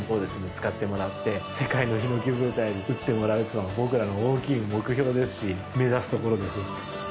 使ってもらって世界のひのき舞台で撃ってもらうっていうのが僕らの大きい目標ですし目指すところですね。